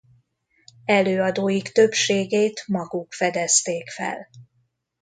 Előadóik többségét maguk fedezték fel.